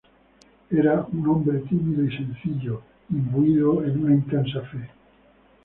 Era un hombre tímido y sencillo, imbuido en una intensa fe.